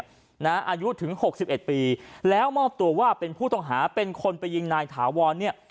อายุถึง๖๑ปีแล้วมอบตัวว่าเป็นผู้ต้องหาเป็นคนไปยิงนายถาวรเนี่ย